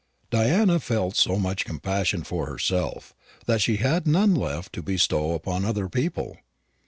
Diana felt so much compassion for herself, that she had none left to bestow upon other people.